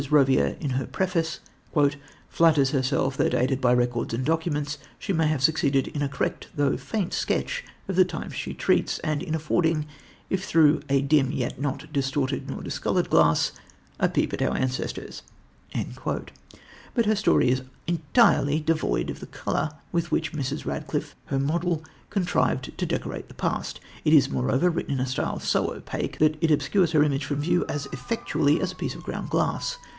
Rouvière, in her preface, "flatters herself that, aided by records and documents, she may have succeeded in a correct though faint sketch of the times she treats, and in affording, if through a dim yet not distorted nor discoloured glass, A Peep at our Ancestors"; but her story is entirely devoid of the colour with which Mrs. Radcliffe, her model, contrived to decorate the past. It is, moreover, written in a style so opaque that it obscures her images from view as effectually as a piece of ground glass.